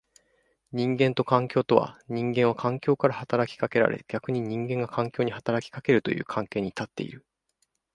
人間と環境とは、人間は環境から働きかけられ逆に人間が環境に働きかけるという関係に立っている。